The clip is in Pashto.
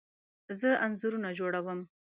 زه انځورونه جوړه وم